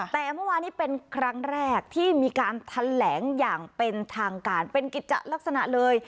แต่เมื่อวานี้เป็นครั้งแรกที่มีการแถลงอย่างเป็นทางการเป็นกิจจะลักษณะเลย